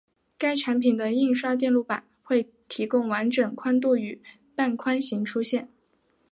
该产品的印刷电路板会提供完整宽度与半宽型出现。